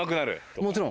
もちろん。